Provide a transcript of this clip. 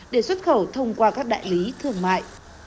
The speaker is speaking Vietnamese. để xuất khẩu thông qua các đại lý thương mại